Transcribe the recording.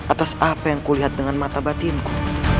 atas apa yang kulihat dengan mata batinku